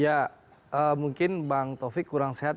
ya mungkin bang taufik kurang sehat